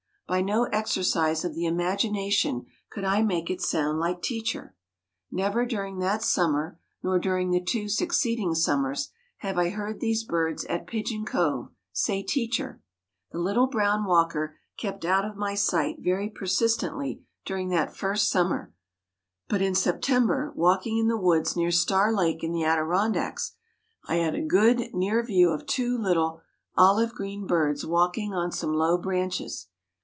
By no exercise of the imagination could I make it sound like "teacher." Never during that summer nor during the two succeeding summers have I heard these birds at Pigeon Cove say "teacher." The little brown walker kept out of my sight very persistently during that first summer, but in September, walking in the woods near Star Lake in the Adirondacks, I had a good, near view of two little olive green birds walking on some low branches.